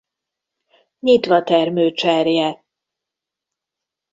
Nyitvatermő cserje.